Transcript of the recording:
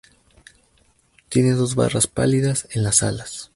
Tiene dos barras pálidas en las alas.